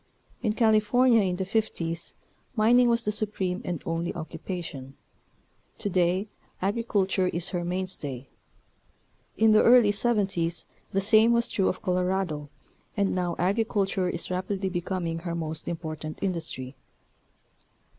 In California in the " fifties " mining was the supreme and only occupation, to day agriculture is her mainstay; in the early "seventies" the same was true of Colorado, and now agriculture is rapidly becoming her most important industry.